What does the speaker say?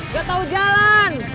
gak tau jalan